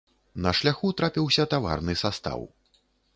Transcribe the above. На шляху трапіўся таварны састаў.